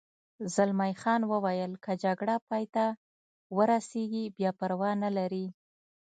زلمی خان وویل: که جګړه پای ته ورسېږي بیا پروا نه لري.